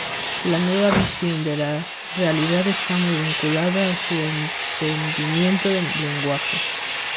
La nueva visión de la realidad está muy vinculada a su entendimiento del lenguaje.